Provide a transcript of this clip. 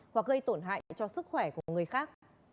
hoặc gây tổn hại cho sức khỏe của người khác